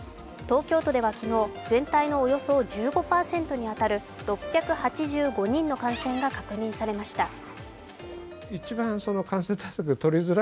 東京都では昨日全体のおよそ１５％に当たる６８５人の感染か確認されました。